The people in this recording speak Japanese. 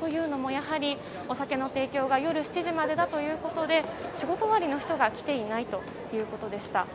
というのも、お酒の提供が夜７時までということで仕事終わりの人が来ていないということでした。